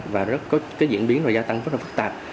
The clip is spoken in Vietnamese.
và có cái diễn biến và gia tăng rất là phức tạp